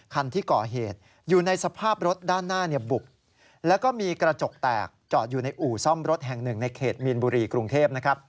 คันที่ก่อเหตุอยู่ในสภาพรถด้านหน้าบุกแล้วก็มีกระจกแตกจอดอยู่ในอู่ซ่อมรถแห่งหนึ่งในเขตมีนบุรีกรุงเทพนะครับ